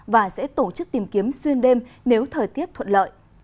và sẽ tổ chức tìm kiếm xuyên đêm nếu thời tiết thuận lợi